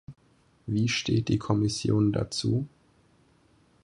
Wie steht die Kommission dazu?